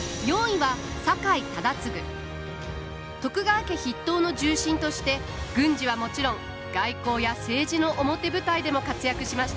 徳川家筆頭の重臣として軍事はもちろん外交や政治の表舞台でも活躍しました。